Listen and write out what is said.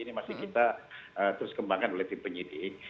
ini masih kita terus kembangkan oleh tim penyidik